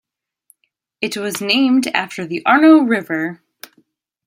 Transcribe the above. It was named after the Arno river.